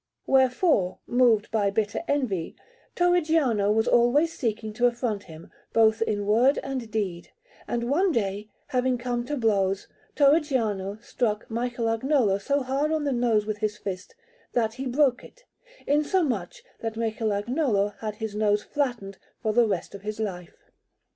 Wherefore, moved by bitter envy, Torrigiano was always seeking to affront him, both in word and deed; and one day, having come to blows, Torrigiano struck Michelagnolo so hard on the nose with his fist, that he broke it, insomuch that Michelagnolo had his nose flattened for the rest of his life.